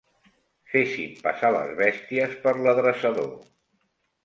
Fessin passar les bèsties per l'adreçador.